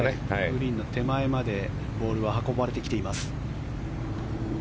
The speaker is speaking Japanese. グリーンの手前までボールは運ばれてきています。